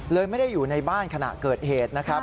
ไม่ได้อยู่ในบ้านขณะเกิดเหตุนะครับ